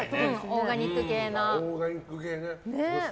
オーガニック系な。